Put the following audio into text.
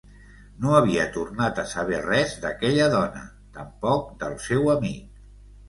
No havia tornat a saber res d'aquella dona, tampoc del seu amic.